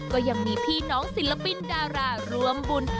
ก็ยังมีพี่น้องศิลปินดาราร่วมบุญ